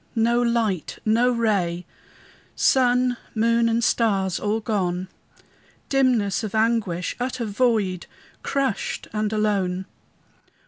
no light, no ray! Sun, moon, and stars, all gone! Dimness of anguish! utter void! Crushed, and alone!